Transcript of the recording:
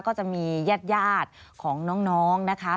ก็จะมีญาติของน้องนะคะ